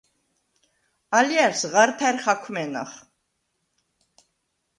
ალჲა̈რს ღართა̈რ ხაქვმე̄ნახ.